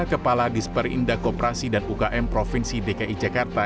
kepala disper indah koperasi dan ukm provinsi dki jakarta